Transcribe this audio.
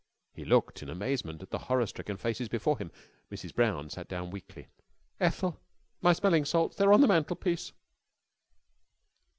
He looked in amazement at the horror stricken faces before him. Mrs. Brown sat down weakly. "Ethel, my smelling salts! They're on the mantel piece."